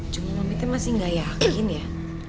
cuma omitnya masih gak yakinnya